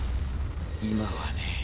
今はね。